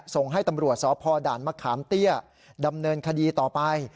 ส่งให้ตำรวจสพด่านมะขามเตี้ยดำเนินคดีต่อไป